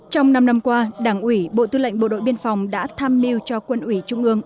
trong năm năm qua đảng ủy bộ tư lệnh bộ đội biên phòng đã tham mưu cho quân ủy trung ương